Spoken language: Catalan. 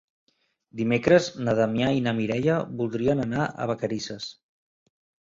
Dimecres na Damià i na Mireia voldrien anar a Vacarisses.